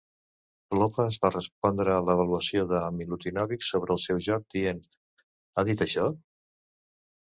Klopas va respondre a l'avaluació de Milutinovic sobre el seu joc dient "Ha dit això?".